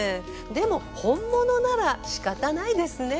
でも本物なら仕方ないですね。